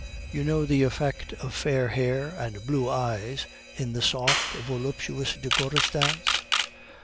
"You know the effect of fair hair and blue eyes in the soft, voluptuous decorous dance?